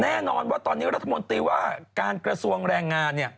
แน่นอนว่าตอนนี้รัฐมนตรีว่าการกระทรวงแรงงาน